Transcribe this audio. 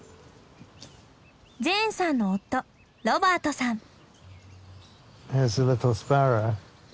ジェーンさんの夫ロバートさん。